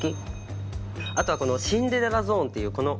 あとはこのシンデレラゾーンっていうこの。